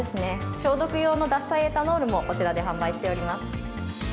消毒用の獺祭エタノールもこちらで販売しております。